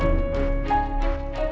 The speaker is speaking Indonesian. aku mau ke kamar